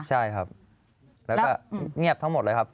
ใช่ครับแล้วก็เงียบทั้งหมดเลยครับ